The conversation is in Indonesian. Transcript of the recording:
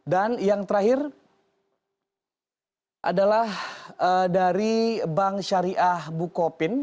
dan yang terakhir adalah dari bank syariah bukopin